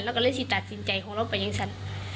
เราก็เลยสิตัดสินใจของเราเป็นอย่างสัน